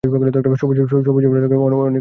সবুজ, রাজও সবুজ রঙ অনেক পছন্দ করে।